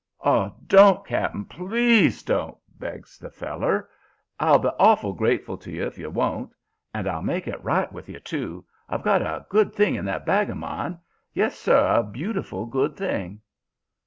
"'Aw, don't, Cap'n; PLEASE don't!' begs the feller. 'I'll be awful grateful to you if you won't. And I'll make it right with you, too. I've got a good thing in that bag of mine. Yes, sir! A beautiful good thing.'